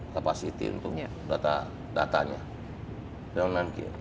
capacity untuk datanya